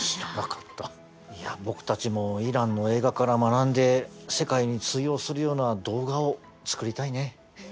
僕たちもイランの映画から学んで世界に通用するような動画を作りたいね。